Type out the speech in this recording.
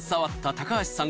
高橋さん。